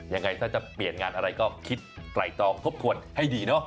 ยังไงถ้าจะเปลี่ยนงานอะไรก็คิดไตรตองทบทวนให้ดีเนาะ